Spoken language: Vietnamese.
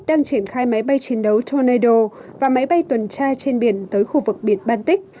đang triển khai máy bay chiến đấu toneial và máy bay tuần tra trên biển tới khu vực biển baltic